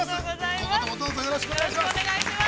今後とも、どうぞよろしくお願いします。